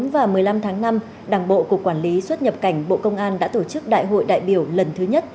và một mươi năm tháng năm đảng bộ cục quản lý xuất nhập cảnh bộ công an đã tổ chức đại hội đại biểu lần thứ nhất